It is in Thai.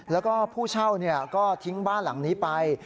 แล้วก็ผู้เช่าก็ทิ้งบ้านหลังนี้ไป